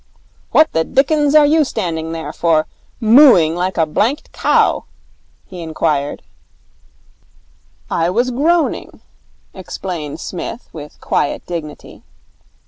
'What the dickens are you standing there for, mooing like a blanked cow?' he inquired. 'I was groaning,' explained Psmith with quiet dignity.